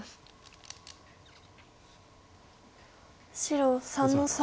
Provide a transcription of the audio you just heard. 白３の三。